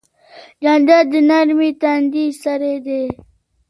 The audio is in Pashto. جانداد د نرمې تندې سړی دی.